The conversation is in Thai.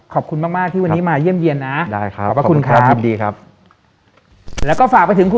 ขอบคุณมากที่วันนี้มาเยี่ยมเยี่ยมนะ